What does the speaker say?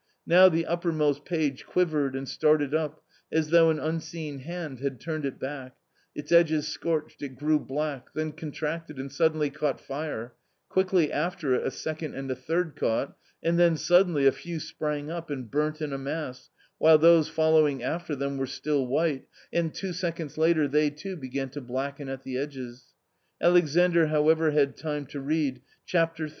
Now the uppermost page quivered and started up, as though an unseen hand had turned it back ; its edges scorched, it grew black, then contracted and suddenly caught fire ; quickly after it a second and a third caught, and then suddenly a few sprang up and burnt in a mass, while those following after them were still white, and two seconds later they, too, began to blacken at the edges. Alexandr, however, had time to read :" Chapter III."